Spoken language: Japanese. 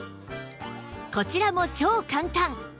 こちらも超簡単！